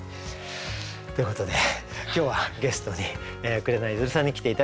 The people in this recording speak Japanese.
ということで今日はゲストに紅ゆずるさんに来て頂きました。